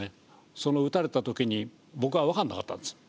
その撃たれたときに僕は分かんなかったんです。